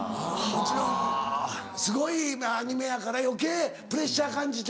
もちろんすごいアニメやから余計プレッシャー感じて。